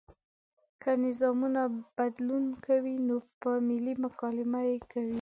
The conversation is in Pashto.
که نظامونه بدلون کوي نو په ملي مکالمه یې کوي.